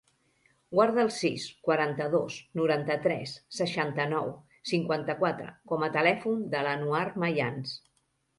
Guarda el sis, quaranta-dos, noranta-tres, seixanta-nou, cinquanta-quatre com a telèfon de l'Anouar Mayans.